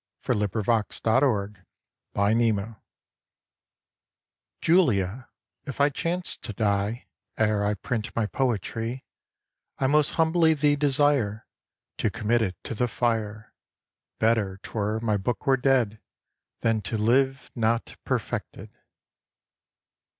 11. HIS REQUEST TO JULIA Julia, if I chance to die Ere I print my poetry, I most humbly thee desire To commit it to the fire: Better 'twere my book were dead, Than to live not perfected.